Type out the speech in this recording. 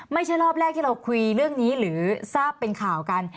ไม่ใช่รอบแรกที่เราคุยเรื่องนี้หรือทราบเป็นข่าวกัน